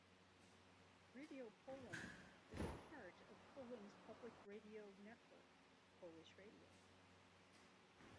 Radio Poland is a part of Poland's public radio network - Polish Radio.